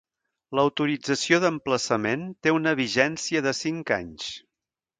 L'autorització d'emplaçament té una vigència de cinc anys.